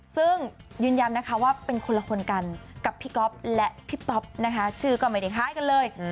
ซึ่งยืนยันนะคะว่าเป็นคนละคนกันกับพี่ก๊อฟและพี่ป๊อปนะคะชื่อก็ไม่ได้คล้ายกันเลย